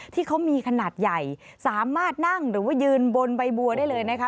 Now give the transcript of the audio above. ที่เขามีขนาดใหญ่สามารถนั่งหรือว่ายืนบนใบบัวได้เลยนะคะ